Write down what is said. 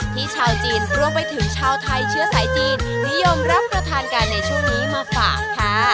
ชาวจีนรวมไปถึงชาวไทยเชื้อสายจีนนิยมรับประทานกันในช่วงนี้มาฝากค่ะ